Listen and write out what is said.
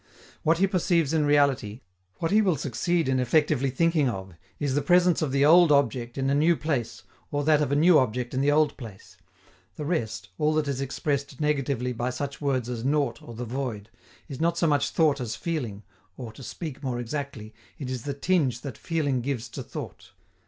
What he perceives in reality, what he will succeed in effectively thinking of, is the presence of the old object in a new place or that of a new object in the old place; the rest, all that is expressed negatively by such words as "nought" or the "void," is not so much thought as feeling, or, to speak more exactly, it is the tinge that feeling gives to thought.